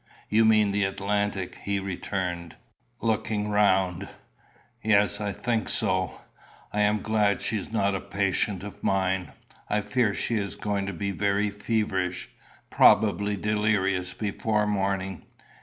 "You mean the Atlantic?" he returned, looking round. "Yes, I think so. I am glad she is not a patient of mine. I fear she is going to be very feverish, probably delirious before morning.